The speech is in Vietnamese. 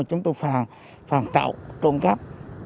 chúng tôi phạm trộm cắp